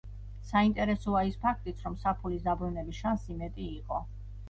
საინტერესოა ის ფაქტიც, რომ საფულის დაბრუნების შანსი მეტი იყო.